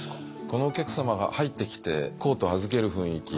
このお客様が入ってきてコートを預ける雰囲気